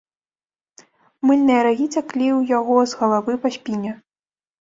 Мыльныя рагі цяклі ў яго з галавы па спіне.